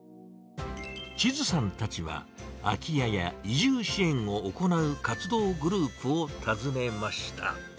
千都さんたちは、空き家や移住支援を行う活動グループを訪ねました。